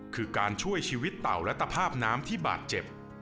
คือการช่วยชีวิตเต่าและตภาพน้ำที่บาดเจ็บ